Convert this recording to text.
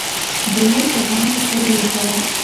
د نن د غم په خوړلو سره.